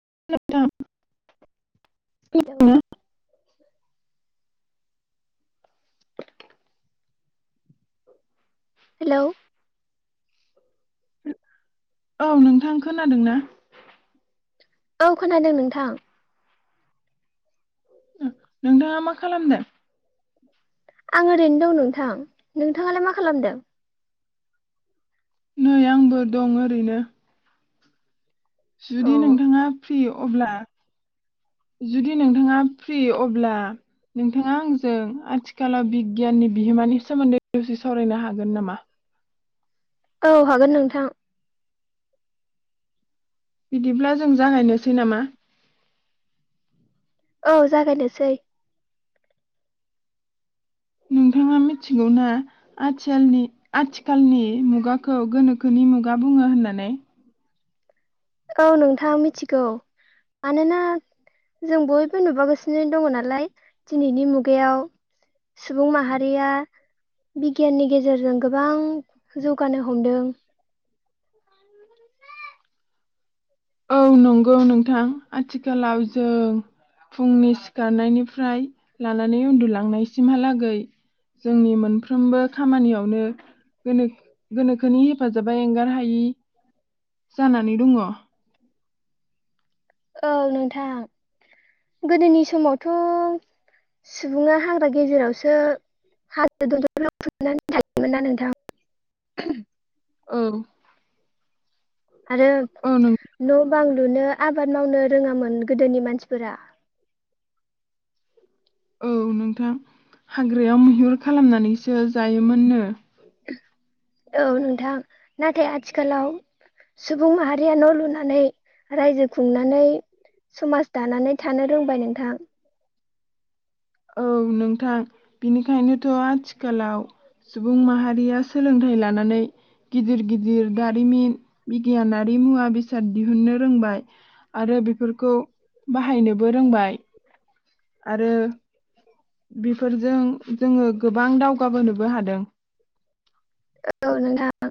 [inaudible] [unintelligible] Hello औ नोंथां खोनादों ना? औ खोनादों नोंथां। नोंथाङा मा खालामदों? आं ओरैनो दं नोंथां नोंथाङालाय मा खालामदों? नै आंबो दं ओरैनो जुदि औ नोंथाङा फ्रि अब्ला जुदि नोंथाङा फ्रि अब्ला नोंथाङा आं जों आथिखालाव बि गियाननि बिहोमानि सोमोन्दै दसे सावरायनो हागोन नामा? औ हागोन नोंथां। बिदिब्ला जों जागायनोसै नामा? औ जागायनोसै। नोंथाङा मिथिगौना आथियालनि आथिखालनि मुगाखौ गोनोखोनि मुगा बुङो होननानै? औ नोंथां मिथिगौ मानोना जों बयबो नुबोगासिनो दङ' नालाय दिनैनि मुगायाव सुबुं माहारिया बिगियाननि गेजेरजों गोबां जौगानो हमदों। औ नंगौ नोंथां आथिखालाव जों फुंनि सिखारनायनिफ्राय लानानै उन्दुलांनायसिमहालागै जोंनि मोन फ्रोमबो खामानियावनो गोनो गोनोखोनि हेफाजाबा एंगार हायि जानानै दङ'। औ नोंथां गोदोनि समावथ' सुबुङा हाग्रा गेजेरावसो हा [unintelligible] ना नोंथां। औ आरो नों न' बां लुनो आबाद मावनो रोङामोन गोदोनि मानसिफोरा। औ नोंथां हाग्रायाव मैहुर खालामनानैसो जायोमोननो। औ नोंथां नाथाय आथिखालाव सुबुं माहारिया न' लुनानै रायजो खुंनानै समाज दानानै थानो रोंबाय नोंथां। औ नोंथां बेनिखायनोथ' आथिखालाव सुबुं माहारिया सोलोंथाइ लानानै गिदिर गिदिर दारिमिन बिगियानारि मुवा बेसाद दिहुननो रोंबाय आरो बे फोरखौ बाहायनोबो रोंबाय आरो बेफोरजों जोंङो गोबां दावगाबोनोबो हादों। ओ औ नोंथां।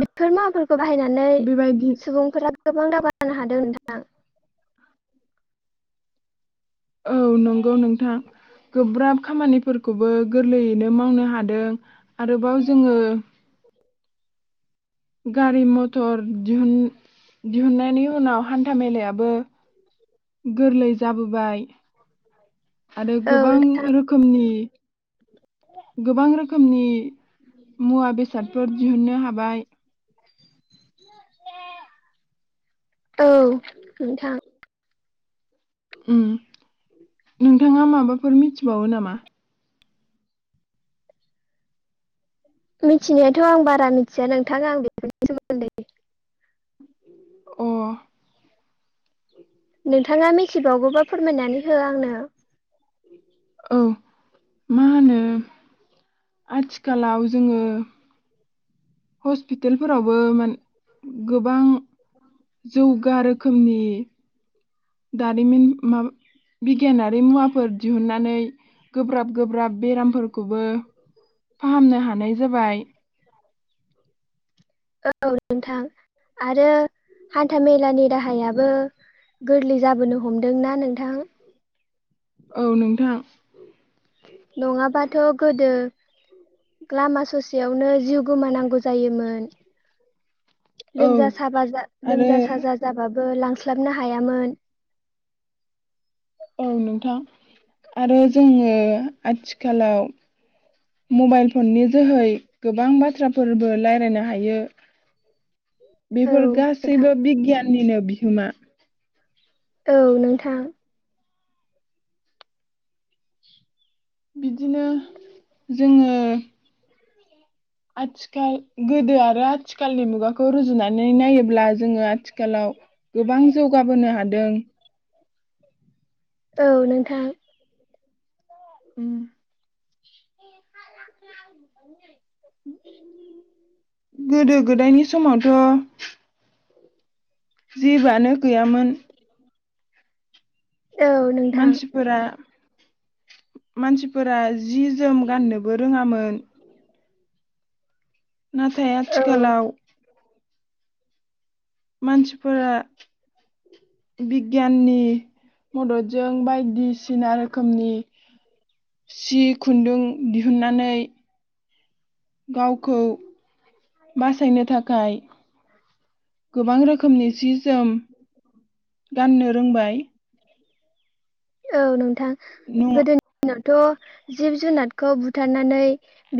बेफोर माफोर बाहायनानै बेबायदि सुबुंफोरा गोबां दाबा [unintelligible] हादों नोंथां। औ नंगौ नोंथां गोब्राब खामानिफोरखौबो गोरलैयैनो मावनो हादों आरोबाव जोङो गारि मथर दिहुन दिहुननायनि उनाव हान्था मेलायाबो गोरलै जाबोबाय आरो औ गोबां नोंथां रोखोमनि गोबां रोखोमनि मुवा बेसादफोर दिहुननो हाबाय। औ नोंथां। उम नोंथाङा माबाफोर मिथिबावो नामा? मिथिनायाथ' आं बारा मिथिया नोंथां आं बेफोरनि सोमोन्दै। अ नोंथाङा मिथिबावगौबा फोरमायनानै हो आंनो। औ मा होनो आथिखालाव जोङो हस्पितेलफोरावबो मान गोबां जौग गा रोखोमनि दारिमिन माब बिगियानारि मुवाफोर दिहुनन्नानै गोब्राब गोब्राब बेरामफोरखौबो फाहामनो हानाय जाबाय। औ नोंथां आरो हान्था मेलानि राहायाबो गोरलै जाबोनो हमदोंना नोंथां? औ नोंथां। नङाबाथ' गोदो लामा ससेयावनो जिउ गोमानांगौ जायोमोन। औ लोमजा साबा जा आरो लोमजा साजा औ जाबाबो लां स्लाबनो हायामोन। औ नोंथां आरो जोङो आथिखालाव मबाइल फननि जोहै गोबां बाथ्राफोरबो लायरायनो हायो। औ बेफोर नोंथां गासैबो बिगियाननिनो बि होमा। औ नोंथां। बिदिनो जोङो आथिखाल गोदो आरो थिखालनि मुगाखौ रुजुनानै नायोब्ला जोङो आथिखालाव गोबां जौगाबोनो हादों। औ नोंथां। उम [inaudible] गोदो गोदायनि समावथ' जिबोआनो गैयामोन। औ नोंथां मानसिफोरा मानसिफोरा जि जोम गाननोबो रोङामोन। नाथाय औ आथिखालाव मानसिफोरा बिगियाननि मददजों बायदिसिना रोखोमनि सि खुन्दुं दिहुननानै गावखौ बासायनो थाखाय गोबां रोखोमनि सि जोम गाननो रोंबाय औ नं थां नङा गोदोनि दिनाव थ' जिब जुनादखौ बुथारनानै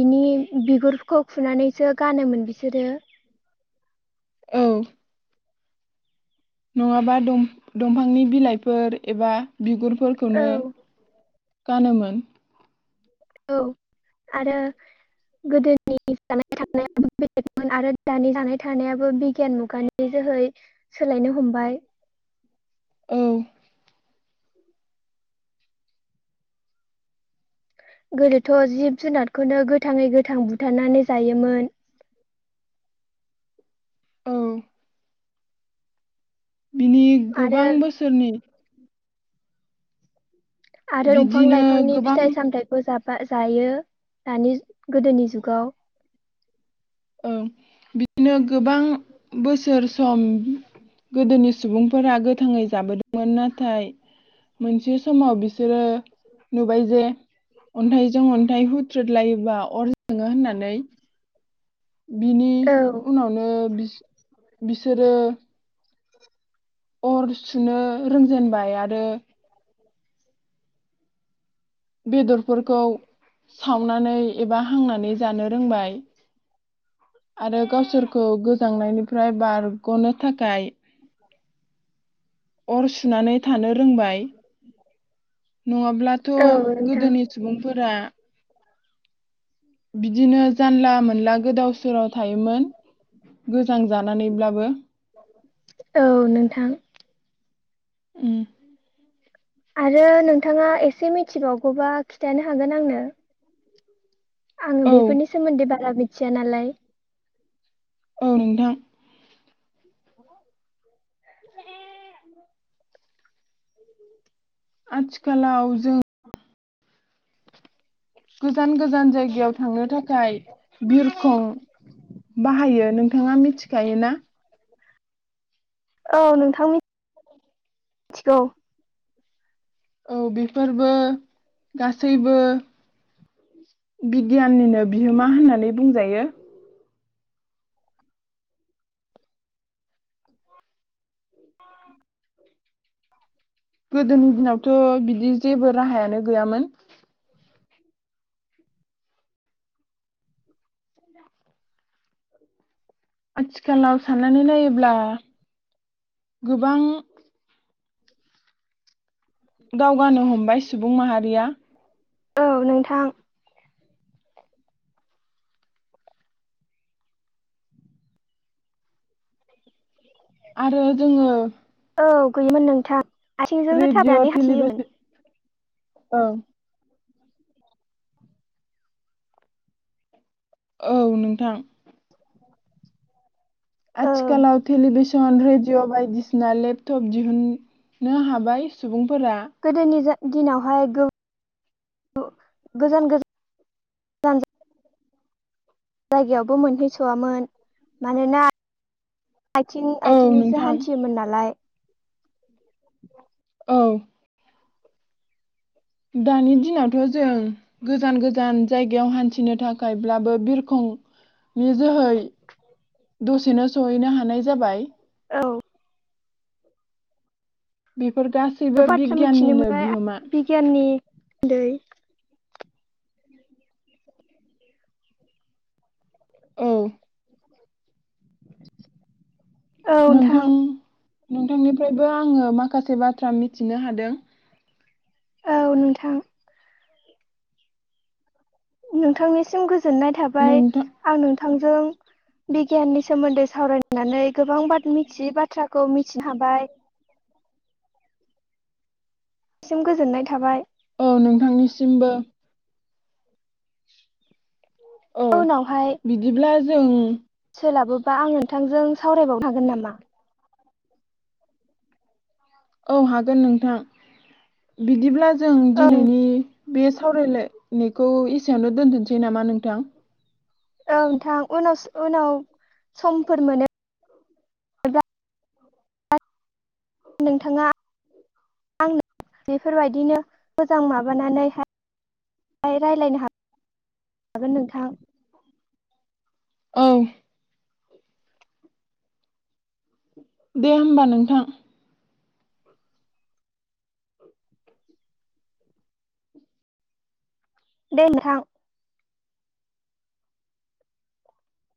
बिनि बिगुरखौ फुनानैसो गानोमोन बिसोरो। औ नङाबा दं दंफांनि बिलाइफोर एबा औ बिगुरफोरखौनो गानोमोन। औ आरो गोदो [unintelligible] [unintelligible] थानायाबो बिगियान मुगानि जोहै सोलायनो हमबाय। औ गोदोथ' जिब जुनादखौनो गोथाङै गोथां बुथारनानै जायोमोन। औ बिनि आरो गोबां बोसोरनि आरो दंफां बिदिनो लाइफांनि गोबां फिथाइ सामथायखौ जा बा जायो दानि गोदोनि जुगाव। ओं बिदिनो गोबां बोसोर सम गोदोनि सुबुंफोरा गोथाङै जाबोदोंमोन नाथाय मोनसे समाव बिसोरो नुबाय जे अन्थाइजों अन्थाइ हुथ्रोद लायोबा अर जोङो होननानै बिनि औ उनावनो बि बिसोरो अर सुनो रोंजेनबाय आरो बेदरफोरखौ सावनानै एबा हांनानै जानो रोंबाय। आरो गावसोरखौ गोजांनायनिफ्राय बारग'नो थाखाय अर सुनानै थानो रोंबाय नङाब्लाथ' औ नोंथां गोदोनि सुबुंफोरा बिदिनो जानला मोनला गोदाव सोराव थायोमोन गोजां जा लानानैब्लाबो। औ नोंथां उम आरो नोंथाङा एसे मिथिबावगौबा खिथानो हागोन आंनो आङो औ बेफोरनि सोमोन्दै बारा [unintelligible] थिया नालाय औ नोंथां। [unintelligible] आथिखालाव जों गोजान गोजान जायगायाव थांनो थाखाय बिरखं बाहायो नोंथाङा मिथिखायो ना? औ नोंथां मि थिगौ औ बेफोरबो गासैबो बिगियाननिनो बिहोमा होननानै बुंजायो। गोदोनि दिनावथ' बिदि जेबो राहायानो गैयामोन। आथिखालाव साननानै नायोब्ला गोबां दावगानो हम बाय सुबुं माहारिया। औ नोंथां आरो जोङो औ गैयोमोन नोंथां आथिंजोंस थाबनानै हाथियोमोन। औ औ नोंथां ओं आथिखालाव थेलिबिस जन रेडिअ बायदिसिना लेपटप दिहुननो हाबाय सुबुं गोदोनि जा दिनावहाय गो गो गोजान गोजान जान जायगायावबो मोनहैसवामोन मानोना आथिं औ आथिंजोंसो नोंथां हान्थियोमोन नालाय। [inaudible] औ। दानि दिनावथ' जों गोजान गोजान जायगायाव हान्थिनो थाखायब्लाबो बिरखं नि जोहै दसेनो सहैनो हानाय जाबाय। औ बे फोर गासैबो गोबां बाथ्रा बिग्याननिनो बिहोमा। दैै। औ। नोंथां। नोंथांनिफ्रायबो आङो माखासे बाथ्रा मिथिनो हादों। औ नोंथां। नोंथांनिसिम गोज जोननाय थाबाय नोंथां आं नोंथांजों। बिगियाननि सोमोन्दै सावरायनानै गोबां बाद मिथियै बाथ्राखौ मिथिनो हाबाय। सिम गोजोननाय थाबाय। औ नोंथांनिसिमबो। औ उनावहाय बिदिब्ला जों बा आं नोंथांजों सावरायबावनो हागोन नामा? औ हागोन नोंथां बिदिब्ला जों औ दिनैनि बे सावरायलायनायखौ एसेयावनो दोनथ'सै नामा नोंथां? औ नोंथां उनावसो उनाव समफोर मोनोब्ला नोंथाङा आंनो बेफोरबायदिनो मोजां माबानानैहाय रायलायनो हागोन नोंथां औ दे होमबा नोंथां दे नोंथां